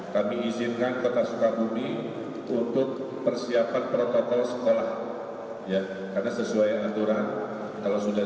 kami izinkan kota sukabumi untuk persiapan protokol sekolah karena sesuai aturan